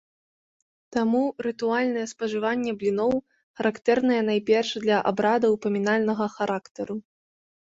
Таму рытуальнае спажыванне бліноў характэрнае найперш для абрадаў памінальнага характару.